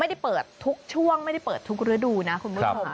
ไม่ได้เปิดทุกช่วงไม่ได้เปิดทุกฤดูนะคุณผู้ชม